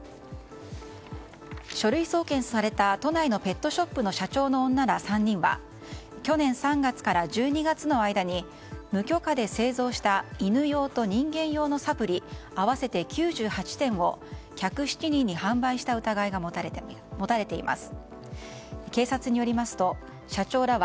書類送検された都内のペットショップの社長の女ら３人は去年３月から１２月の間に無許可で製造した犬用と人間用のサプリ合わせて９８点を１０７人に販売した疑いが持たれています。